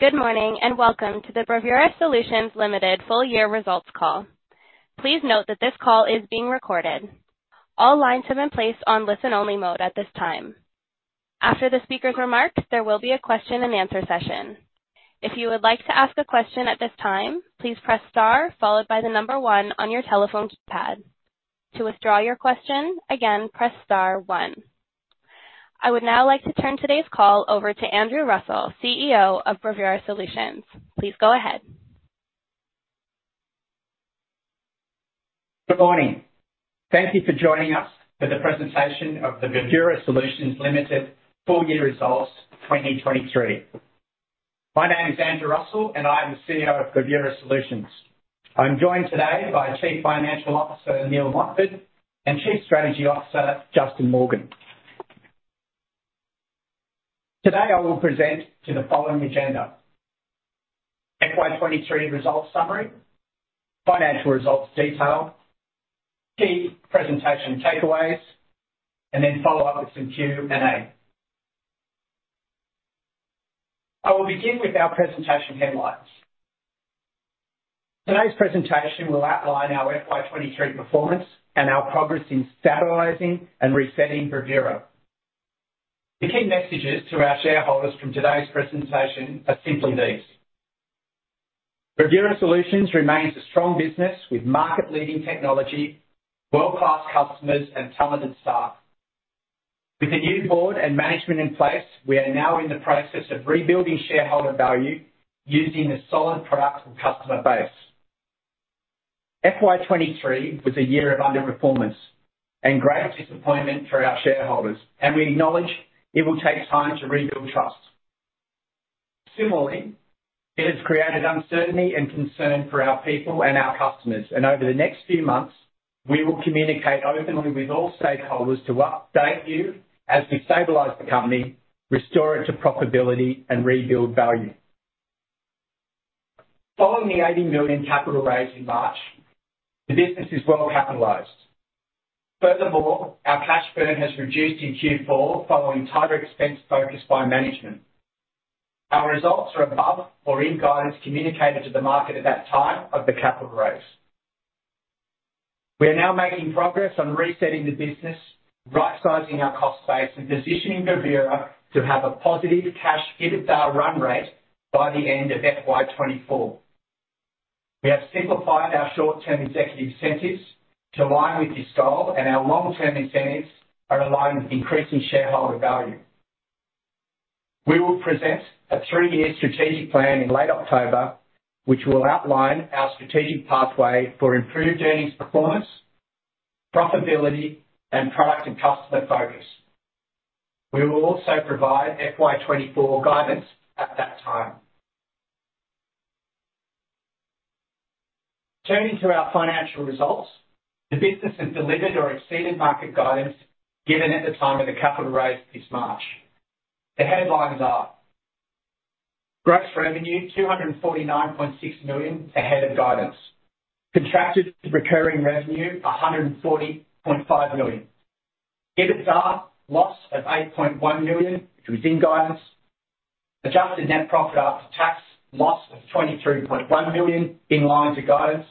Good morning, and welcome to the Bravura Solutions Limited Full Year Results Call. Please note that this call is being recorded. All lines have been placed on listen-only mode at this time. After the speaker's remarks, there will be a question and answer session. If you would like to ask a question at this time, please press star followed by the number one on your telephone pad. To withdraw your question, again, press star one. I would now like to turn today's call over to Andrew Russell, CEO of Bravura Solutions. Please go ahead. Good morning. Thank you for joining us for the presentation of the Bravura Solutions Limited Full Year Results 2023. My name is Andrew Russell, and I am the CEO of Bravura Solutions. I'm joined today by Chief Financial Officer, Neil Montford, and Chief Strategy Officer, Justin Morgan. Today, I will present to the following agenda: FY 2023 results summary, financial results detail, key presentation takeaways, and then follow up with some Q&A. I will begin with our presentation headlines. Today's presentation will outline our FY 2023 performance and our progress in stabilizing and resetting Bravura. The key messages to our shareholders from today's presentation are simply these: Bravura Solutions remains a strong business with market-leading technology, world-class customers, and talented staff. With a new board and management in place, we are now in the process of rebuilding shareholder value using a solid product and customer base. FY 2023 was a year of underperformance and great disappointment for our shareholders, and we acknowledge it will take time to rebuild trust. Similarly, it has created uncertainty and concern for our people and our customers, and over the next few months, we will communicate openly with all stakeholders to update you as we stabilize the company, restore it to profitability, and rebuild value. Following the 80 million capital raise in March, the business is well capitalized. Furthermore, our cash burn has reduced in Q4 following tighter expense focus by management. Our results are above or in guidance communicated to the market at that time of the capital raise. We are now making progress on resetting the business, rightsizing our cost base and positioning Bravura to have a positive Cash EBITDA run rate by the end of FY 2024. We have simplified our short-term executive incentives to align with this goal, and our long-term incentives are aligned with increasing shareholder value. We will present a three-year strategic plan in late October, which will outline our strategic pathway for improved earnings performance, profitability, and product and customer focus. We will also provide FY 2024 guidance at that time. Turning to our financial results, the business has delivered or exceeded market guidance given at the time of the capital raise this March. The headlines are: gross revenue, AUD 249.6 million ahead of guidance. Contracted recurring revenue, AUD 140.5 million. EBITDA, loss of AUD 8.1 million, which was in guidance. Adjusted net profit after tax, loss of AUD 23.1 million, in line to guidance.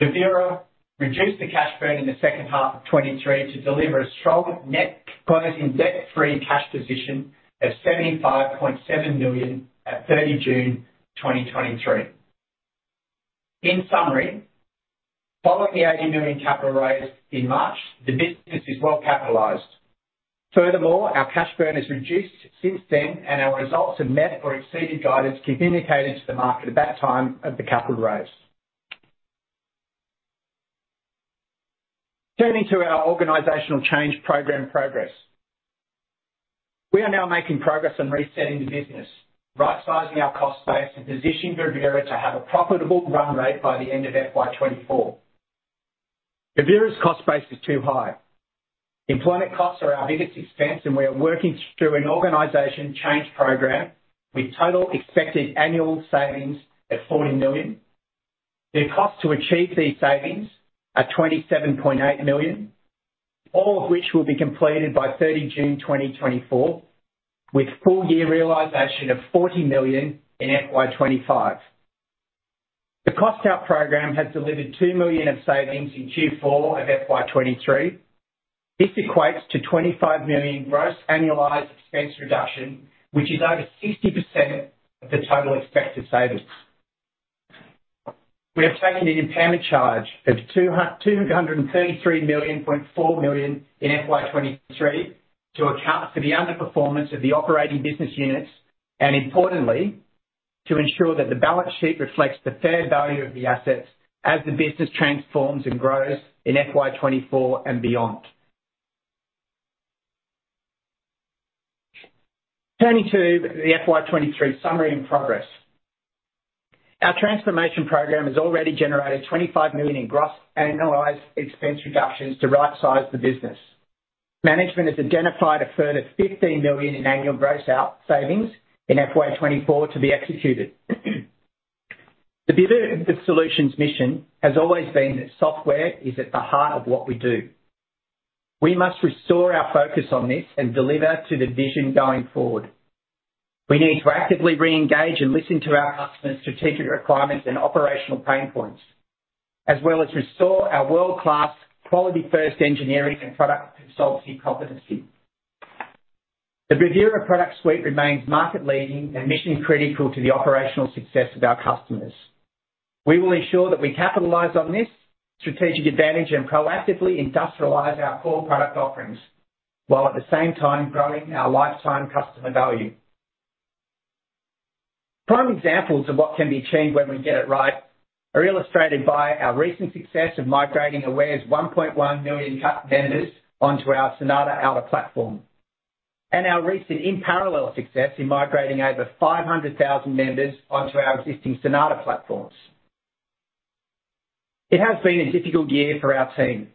Bravura reduced the cash burn in the second half of 2023 to deliver a strong net closing debt-free cash position of 75.7 million at 30 June 2023. In summary, following the AUD 80 million capital raise in March, the business is well capitalized. Furthermore, our cash burn has reduced since then, and our results have met or exceeded guidance communicated to the market at that time of the capital raise. Turning to our organizational change program progress. We are now making progress on resetting the business, rightsizing our cost base and positioning Bravura to have a profitable run rate by the end of FY 2024. Bravura's cost base is too high. Employment costs are our biggest expense, and we are working through an organization change program with total expected annual savings of 40 million. The cost to achieve these savings are 27.8 million, all of which will be completed by 30 June 2024, with full year realization of 40 million in FY 2025. The cost out program has delivered 2 million of savings in Q4 of FY 2023. This equates to 25 million gross annualized expense reduction, which is over 60% of the total expected savings. We have taken an impairment charge of 233.4 million in FY 2023 to account for the underperformance of the operating business units, and importantly, to ensure that the balance sheet reflects the fair value of the assets as the business transforms and grows in FY 2024 and beyond. Turning to the FY 2023 summary and progress. Our transformation program has already generated 25 million in gross annualized expense reductions to rightsize the business. Management has identified a further 15 million in annual gross out savings in FY 2024 to be executed. The solutions mission has always been that software is at the heart of what we do. We must restore our focus on this and deliver to the vision going forward. We need to actively re-engage and listen to our customers' strategic requirements and operational pain points, as well as restore our world-class, quality first engineering and product consultancy competency. The Bravura product suite remains market leading and mission critical to the operational success of our customers. We will ensure that we capitalize on this strategic advantage and proactively industrialize our core product offerings, while at the same time growing our lifetime customer value. Prime examples of what can be achieved when we get it right are illustrated by our recent success of migrating Aware's 1.1 million members onto our Sonata Alta platform, and our recent, in parallel success in migrating over 500,000 members onto our existing Sonata platforms. It has been a difficult year for our team.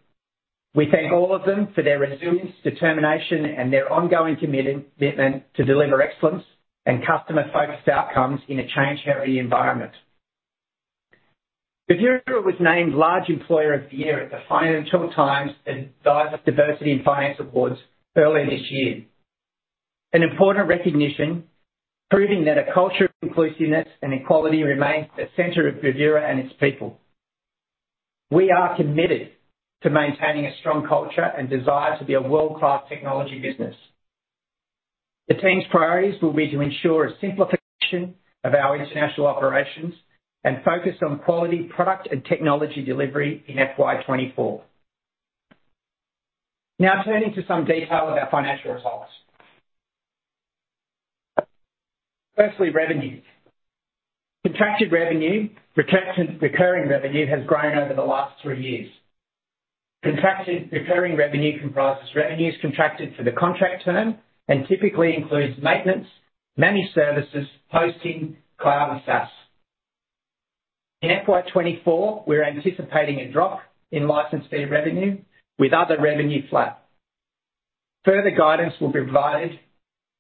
We thank all of them for their resilience, determination, and their ongoing commitment to deliver excellence and customer-focused outcomes in a change heavy environment. Bravura was named Large Employer of the Year at the Financial Times Adviser's Diversity in Finance Awards earlier this year. An important recognition, proving that a culture of inclusiveness and equality remains at the center of Bravura and its people. We are committed to maintaining a strong culture and desire to be a world-class technology business. The team's priorities will be to ensure a simplification of our international operations and focus on quality, product, and technology delivery in FY 2024. Now turning to some detail of our financial results. Firstly, revenues. Contracted revenue, retention, recurring revenue has grown over the last three years. Contracted recurring revenue comprises revenues contracted for the contract term and typically includes maintenance, managed services, hosting, cloud, and SaaS. In FY 2024, we're anticipating a drop in license fee revenue, with other revenue flat. Further guidance will be provided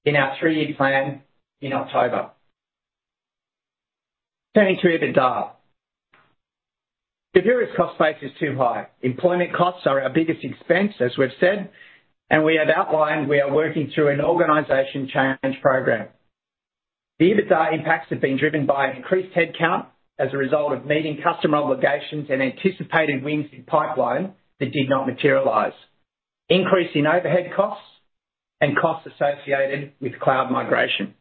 in our three-year plan in October. Turning to EBITDA. Bravura's cost base is too high. Employment costs are our biggest expense, as we've said, and we have outlined we are working through an organization change program. The EBITDA impacts have been driven by an increased headcount as a result of meeting customer obligations and anticipated wins in pipeline that did not materialize. Increase in overhead costs and costs associated with cloud migration.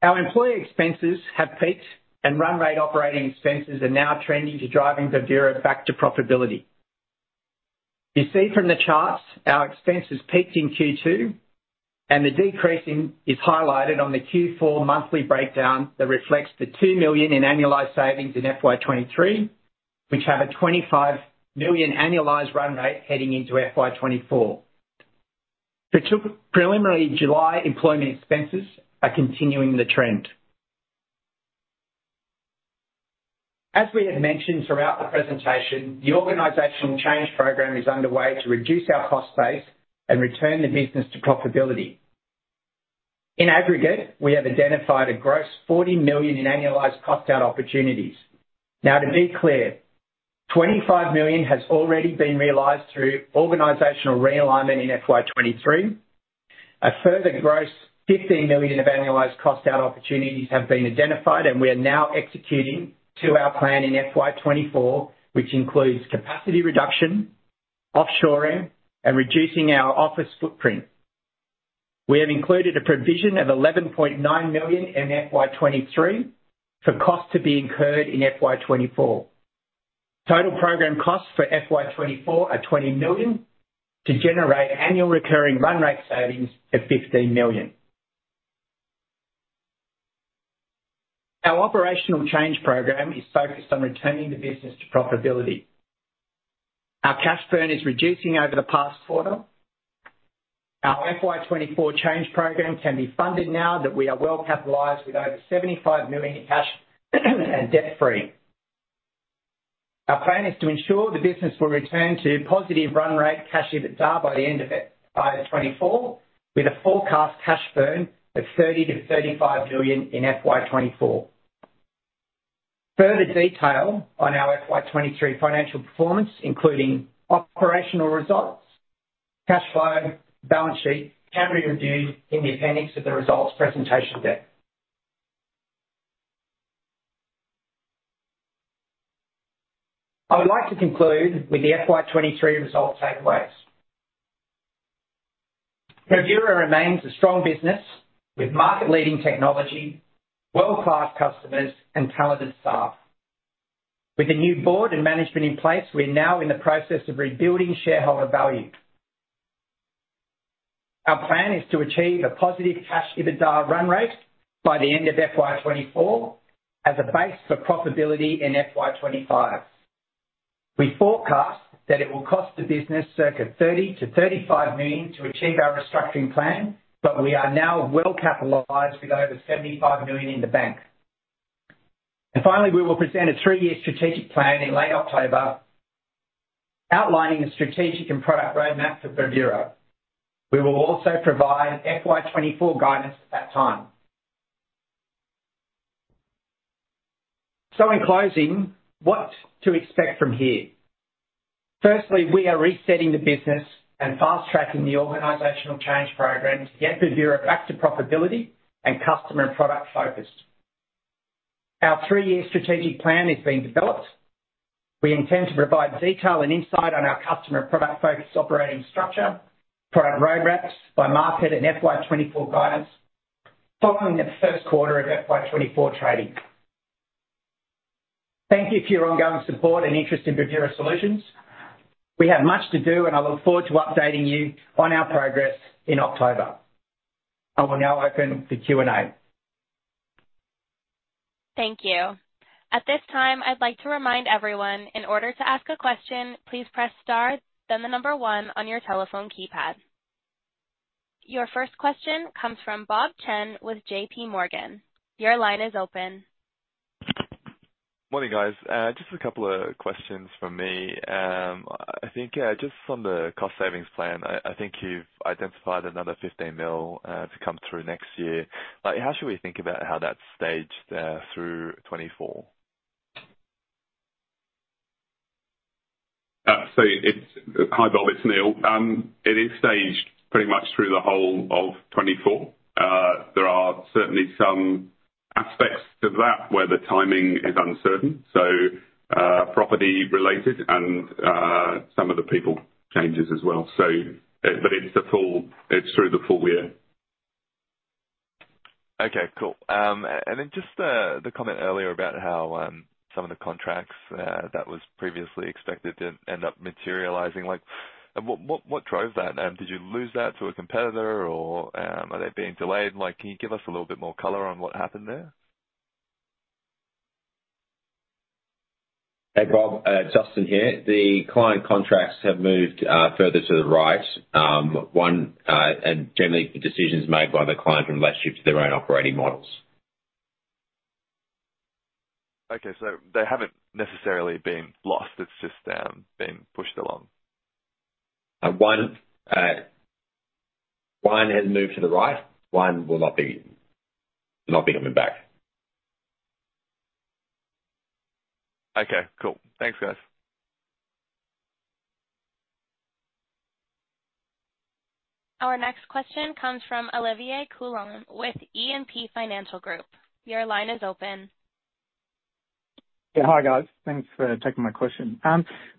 Our employee expenses have peaked, and run rate operating expenses are now trending to driving Bravura back to profitability. You see from the charts our expenses peaked in Q2, and the decrease in is highlighted on the Q4 monthly breakdown that reflects the 2 million in annualized savings in FY 2023, which have a 25 million annualized run rate heading into FY 2024. The two preliminary July employment expenses are continuing the trend. As we have mentioned throughout the presentation, the organizational change program is underway to reduce our cost base and return the business to profitability. In aggregate, we have identified a gross 40 million in annualized cost out opportunities. Now, to be clear, 25 million has already been realized through organizational realignment in FY 2023. A further gross 15 million of annualized cost out opportunities have been identified, and we are now executing to our plan in FY 2024, which includes capacity reduction, offshoring, and reducing our office footprint. We have included a provision of 11.9 million in FY 2023 for costs to be incurred in FY 2024. Total program costs for FY 2024 are 20 million to generate annual recurring run rate savings of 15 million. Our operational change program is focused on returning the business to profitability. Our cash burn is reducing over the past quarter. Our FY 2024 change program can be funded now that we are well capitalized with over 75 million in cash and debt-free. Our plan is to ensure the business will return to positive run rate cash EBITDA by the end of FY 2024, with a forecast cash burn of 30 million-35 million in FY 2024. Further detail on our FY 2023 financial performance, including operational results, cash flow, balance sheet, can be reviewed in the appendix of the results presentation deck. I would like to conclude with the FY 2023 results takeaways. Bravura remains a strong business with market-leading technology, world-class customers, and talented staff. With a new board and management in place, we're now in the process of rebuilding shareholder value. Our plan is to achieve a positive cash EBITDA run rate by the end of FY 2024 as a base for profitability in FY 2025. We forecast that it will cost the business circa 30-35 million to achieve our restructuring plan, but we are now well capitalized with over 75 million in the bank. And finally, we will present a three-year strategic plan in late October, outlining the strategic and product roadmap for Bravura. We will also provide FY 2024 guidance at that time. So in closing, what to expect from here? Firstly, we are resetting the business and fast-tracking the organizational change program to get Bravura back to profitability and customer and product focused. Our three-year strategic plan is being developed. We intend to provide detail and insight on our customer product-focused operating structure, product roadmaps by market, and FY 2024 guidance following the first quarter of FY 2024 trading. Thank you for your ongoing support and interest in Bravura Solutions. We have much to do, and I look forward to updating you on our progress in October. I will now open for Q&A. Thank you. At this time, I'd like to remind everyone, in order to ask a question, please press star, then the number one on your telephone keypad. Your first question comes from Bob Chen with JPMorgan. Your line is open. Morning, guys. Just a couple of questions from me. I think just on the cost savings plan, I think you've identified another 15 million to come through next year. Like, how should we think about how that's staged through 2024? Hi, Bob, it's Neil. It is staged pretty much through the whole of 2024. There are certainly some aspects to that where the timing is uncertain, so property related and some of the people changes as well. But it's through the full year. Okay, cool. And then just the comment earlier about how some of the contracts that was previously expected to end up materializing, like, what drove that? Did you lose that to a competitor, or are they being delayed? Like, can you give us a little bit more color on what happened there? Hey, Bob, Justin here. The client contracts have moved further to the right. One, and generally, the decisions made by the client in relation to their own operating models. Okay, so they haven't necessarily been lost. It's just been pushed along. One, one has moved to the right. One will not be, will not be coming back. Okay, cool. Thanks, guys. Our next question comes from Olivier Coulon with E&P Financial Group. Your line is open. Yeah. Hi, guys. Thanks for taking my question.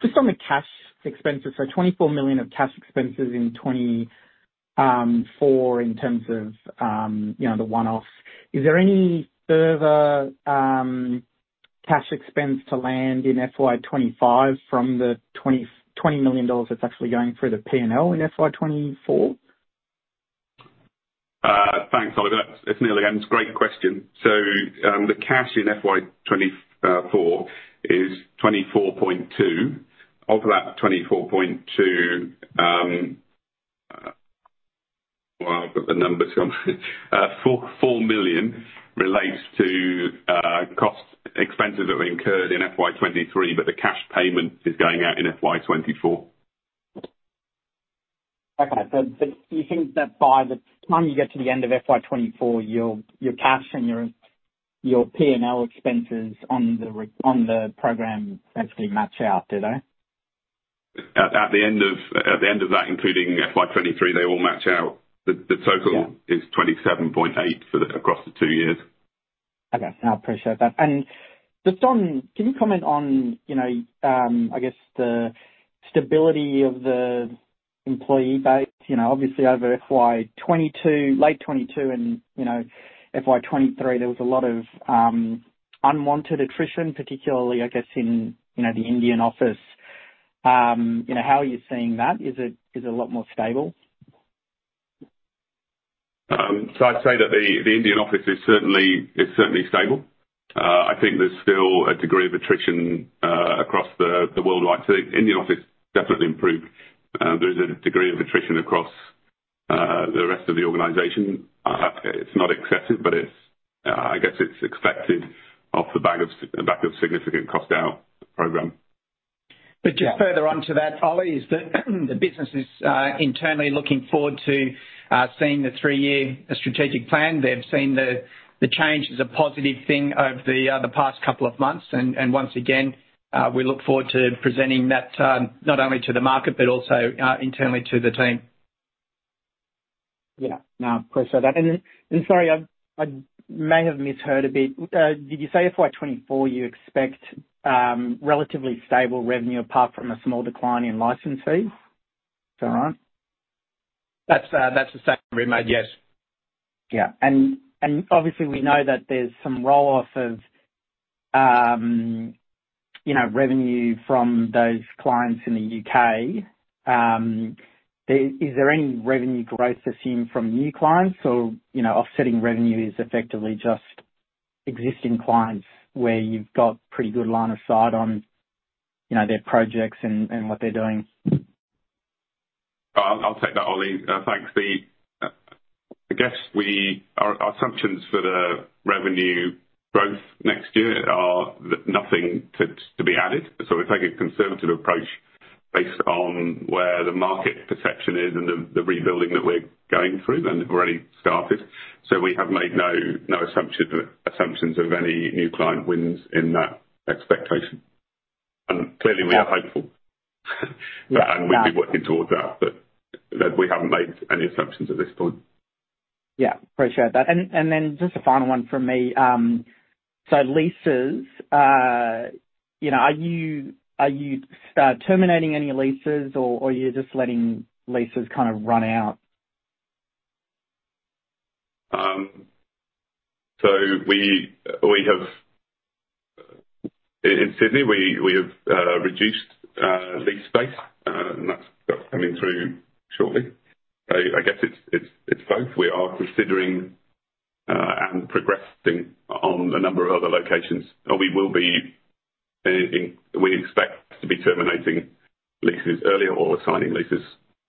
Just on the cash expenses, so 24 million of cash expenses in 2024, in terms of, you know, the one-off, is there any further cash expense to land in FY 2025 from the 20-20 million dollars that's actually going through the P&L in FY 2024? Thanks, Olivier. It's Neil here, and it's great question. So, the cash in FY 2024 is 24.2 million. Of that 24.2 million, well, I've got the numbers here. 4 million relates to cost expenses that were incurred in FY 2023, but the cash payment is going out in FY 2024. Okay, but you think that by the time you get to the end of FY 2024, your cash and your P&L expenses on the program basically match out, do they? At the end of that, including FY 2023, they all match out. Yeah. The total is 27.8 across the two years. Okay. I appreciate that. And just on... Can you comment on, you know, I guess, the stability of the employee base? You know, obviously over FY 2022, late 2022, and, you know, FY 2023, there was a lot of unwanted attrition, particularly, I guess, in, you know, the Indian office. You know, how are you seeing that? Is it a lot more stable? So I'd say that the Indian office is certainly, it's certainly stable. I think there's still a degree of attrition across the worldwide. So the Indian office definitely improved. There's a degree of attrition across the rest of the organization. It's not excessive, but it's, I guess it's expected off the back of significant cost out program. But just further on to that, Ollie, is that the business is internally looking forward to seeing the three-year strategic plan. They've seen the change as a positive thing over the past couple of months, and once again, we look forward to presenting that, not only to the market, but also internally to the team. Yeah. No, appreciate that. And then, sorry, I may have misheard a bit. Did you say FY 2024, you expect relatively stable revenue apart from a small decline in license fees? Is that right? That's, that's the statement we made, yes. Yeah. Obviously we know that there's some roll-off of, you know, revenue from those clients in the UK. Is there any revenue growth to see from new clients or, you know, offsetting revenue is effectively just existing clients where you've got pretty good line of sight on, you know, their projects and what they're doing? I'll take that, Ollie. Thanks. I guess our assumptions for the revenue growth next year are nothing to be added. So we've taken a conservative approach based on where the market perception is and the rebuilding that we're going through, and have already started. So we have made no assumptions of any new client wins in that expectation. And clearly, we are hopeful and we'll be working towards that, but we haven't made any assumptions at this point. Yeah. Appreciate that. And then just a final one from me. So, leases, you know, are you terminating any leases, or you're just letting leases kind of run out? So we have in Sydney reduced lease space, and that's coming through shortly. I guess it's both. We are considering and progressing on a number of other locations, and we expect to be terminating leases earlier or assigning leases,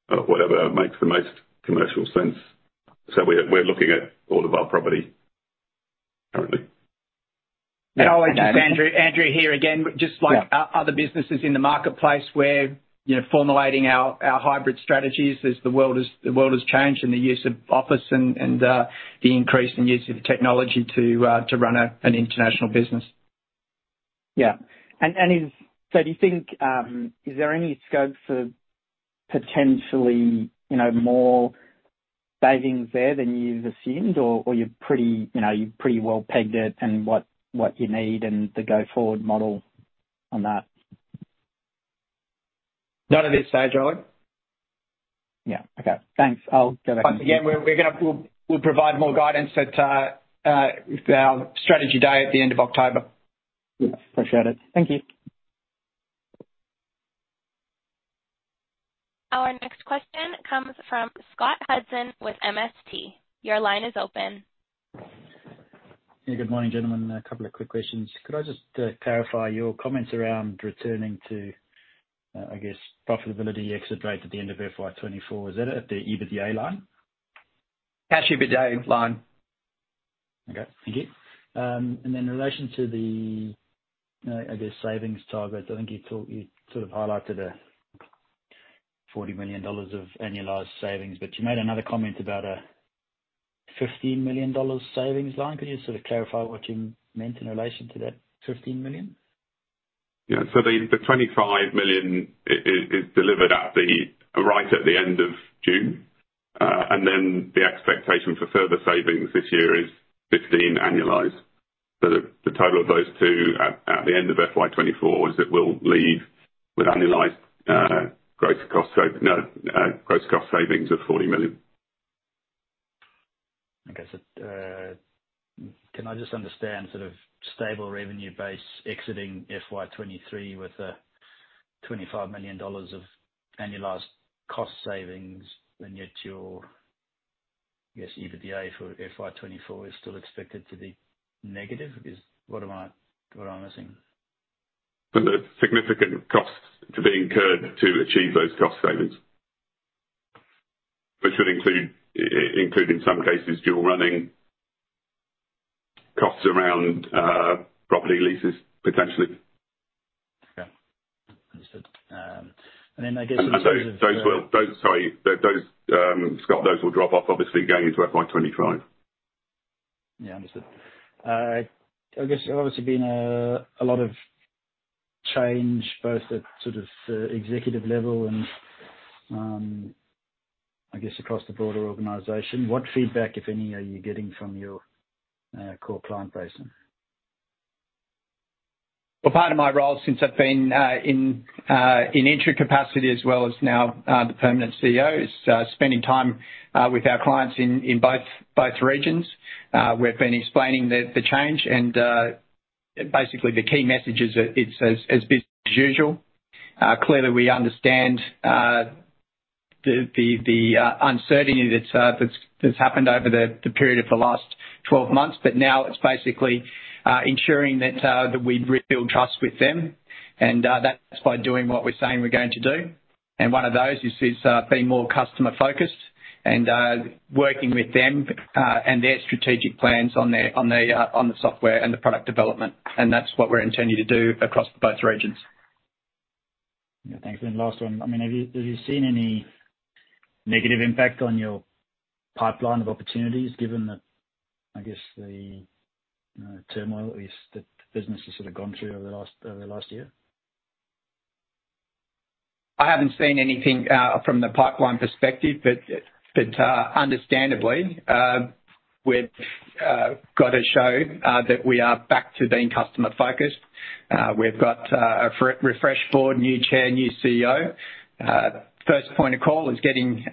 whatever makes the most commercial sense. So we're looking at all of our property currently. Ollie, this is Andrew. Andrew here, again. Yeah. Just like other businesses in the marketplace, we're, you know, formulating our hybrid strategies as the world has changed and the use of office and the increase in use of technology to run an international business. Yeah. So do you think, is there any scope for potentially, you know, more savings there than you've assumed, or you're pretty, you know, you've pretty well pegged it and what you need and the go-forward model on that? Not at this stage, Ollie. Yeah. Okay, thanks. I'll go back- Once again, we're gonna provide more guidance at our strategy day at the end of October. Yeah. Appreciate it. Thank you. Our next question comes from Scott Hudson with MST. Your line is open. Yeah. Good morning, gentlemen. A couple of quick questions. Could I just clarify your comments around returning to, I guess, profitability exit rate at the end of FY 2024? Is that at the EBITDA line? Cash EBITDA line. Okay, thank you. And then in relation to the, I guess, savings targets, I think you sort of highlighted 40 million dollars of annualized savings, but you made another comment about a 15 million dollars savings line. Could you sort of clarify what you meant in relation to that 15 million? Yeah. So the 25 million is delivered at the right at the end of June. And then the expectation for further savings this year is 15 million annualized. So the total of those two at the end of FY 2024 is it will leave with annualized gross cost savings of 40 million. Okay. So, can I just understand, sort of, stable revenue base exiting FY 2023 with 25 million dollars of annualized cost savings, and yet your, I guess, EBITDA for FY 2024 is still expected to be negative? Is... What am I, what am I missing? There's significant costs to being incurred to achieve those cost savings. Which would include, in some cases, dual running costs around, property leases, potentially. Okay. Understood. And then I guess- Sorry, Scott, those will drop off obviously going into FY 2025. Yeah. Understood. I guess there's obviously been a lot of change, both at sort of executive level and I guess across the broader organization. What feedback, if any, are you getting from your core client base? Well, part of my role since I've been in interim capacity as well as now the permanent CEO is spending time with our clients in both regions. We've been explaining the change, and basically, the key message is that it's business as usual. Clearly, we understand the uncertainty that's happened over the period of the last 12 months. But now it's basically ensuring that we rebuild trust with them, and that's by doing what we're saying we're going to do. And one of those is being more customer-focused and working with them and their strategic plans on the software and the product development. And that's what we're intending to do across both regions. Yeah. Thanks. And last one, I mean, have you, have you seen any negative impact on your pipeline of opportunities, given that, I guess, the turmoil at least the business has sort of gone through over the last, over the last year? I haven't seen anything from the pipeline perspective. But understandably, we've got to show that we are back to being customer-focused. We've got a refreshed board, new chair, new CEO. First point of call is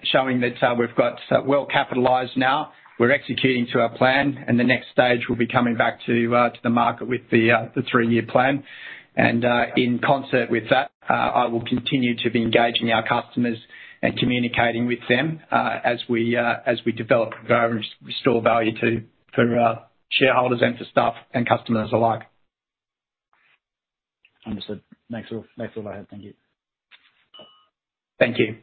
showing that we've got well capitalized now. We're executing to our plan, and the next stage will be coming back to the market with the three-year plan. In concert with that, I will continue to be engaging our customers and communicating with them as we develop value and restore value to, for, shareholders and for staff and customers alike. Understood. Thanks a lot. Thank you. Thank you.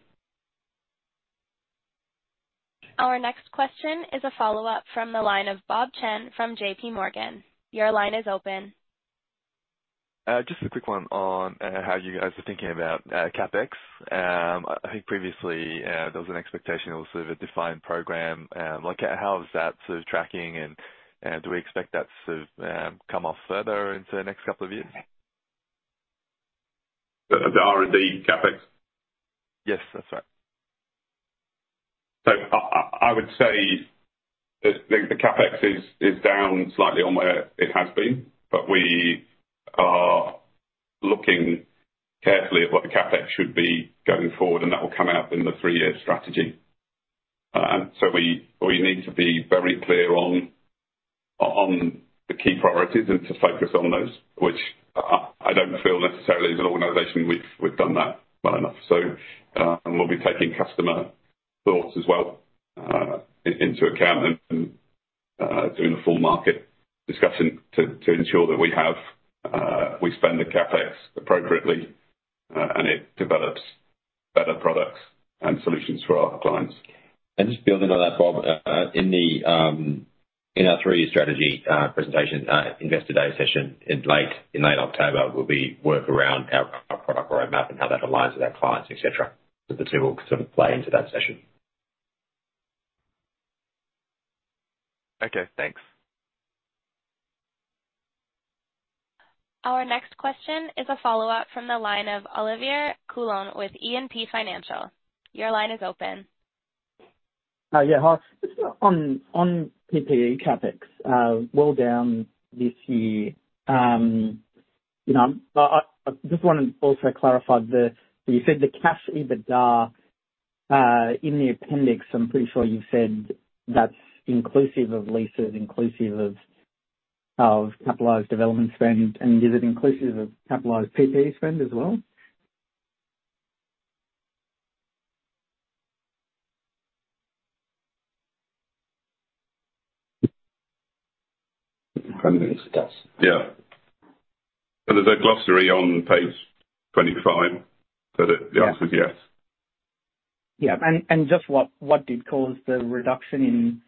Our next question is a follow-up from the line of Bob Chen from JPMorgan. Your line is open. Just a quick one on how you guys are thinking about CapEx. I think previously there was an expectation it was sort of a defined program. Like, how is that sort of tracking, and do we expect that to come off further into the next couple of years? The R&D CapEx? Yes, that's right. I would say that the CapEx is down slightly on where it has been, but we are looking carefully at what the CapEx should be going forward, and that will come out in the three-year strategy. So we need to be very clear on the key priorities and to focus on those, which I don't feel necessarily as an organization, we've done that well enough. So we'll be taking customer thoughts as well, into account and doing a full market discussion to ensure that we spend the CapEx appropriately, and it develops better products and solutions for our clients. Just building on that, Bob, in our three-year strategy presentation, Investor Day session in late October, we'll be work around our product roadmap and how that aligns with our clients, et cetera. The two will sort of play into that session. Okay, thanks. Our next question is a follow-up from the line of Olivier Coulon with E&P Financial. Your line is open. Yeah. Hi. Just on PPE CapEx, well down this year. You know, I just want to also clarify the... You said the cash EBITDA in the appendix, I'm pretty sure you said that's inclusive of leases, inclusive of capitalized development spend. And is it inclusive of capitalized PPE spend as well? It does. Yeah. There's a glossary on page 25. Yeah. The answer is yes. Yeah. And just what did cause the reduction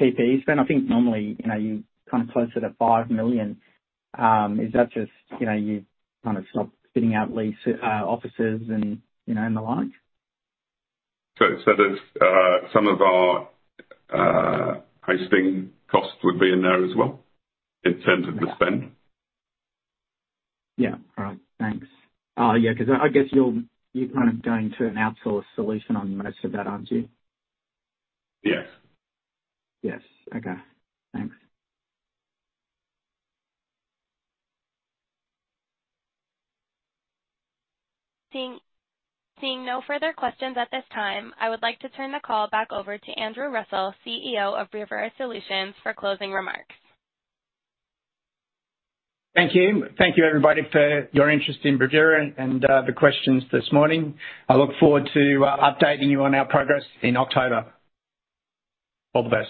in PPE spend? I think normally, you know, you're kind of closer to 5 million. Is that just, you know, you kind of stopped fitting out leased offices and, you know, and the like? So, there's some of our hosting costs would be in there as well, in terms of the spend. Yeah. All right. Thanks. Yeah, because I guess you're, you're kind of going to an outsource solution on most of that, aren't you? Yes. Yes. Okay. Thanks. Seeing no further questions at this time, I would like to turn the call back over to Andrew Russell, CEO of Bravura Solutions, for closing remarks. Thank you. Thank you, everybody, for your interest in Bravura and the questions this morning. I look forward to updating you on our progress in October. All the best.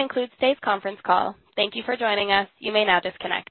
This concludes today's conference call. Thank you for joining us. You may now disconnect.